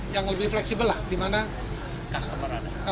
yang lebih fleksibel lah dimana custom kan